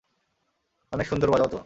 অনেক সুন্দর বাজাও তো।